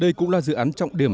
đây cũng là dự án trọng điểm